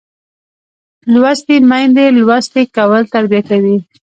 لوستې میندې لوستی کول تربیه کوي